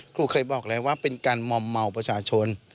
ครูเคยบอกแล้วว่าเป็นการมอมเมาประชาชน